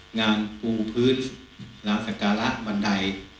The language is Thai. งานปูพื้นลามสการะบันได